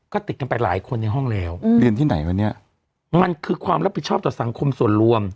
ก็ติดกันไปหลายคนในห้องแล้วเรียนที่ไหนวันนี้มันคือความรับผิดชอบต่อสังคมส่วนรวม